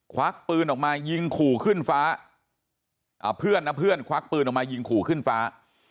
ควักปืนออกมายิงขู่ขึ้นฟ้าเพื่อนนะเพื่อนควักปืนออกมายิงขู่ขึ้นฟ้า